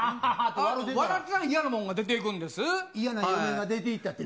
わろうてたら嫌なもんが出ていくんです。